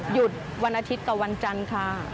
หยุดวันอาทิตย์ต่อวันจันทร์ค่ะ